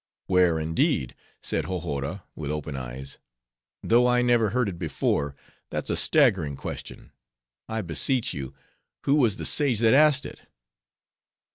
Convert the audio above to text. "Where, indeed?" said Hohora with open eyes, "though I never heard it before, that's a staggering question. I beseech you, who was the sage that asked it?"